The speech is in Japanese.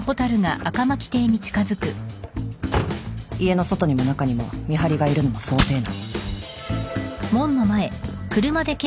家の外にも中にも見張りがいるのも想定内。